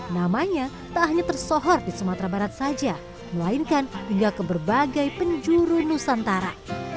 namanya tak hanya tersohor di sumatera barat saja melainkan hingga ke berbagai penjuru nusantara